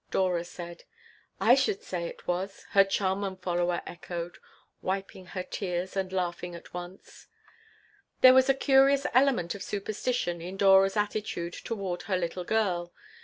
Dora said "I should say it was," her chum and follower echoed, wiping her tears and laughing at once There was a curious element of superstition in Dora's attitude toward her little girl.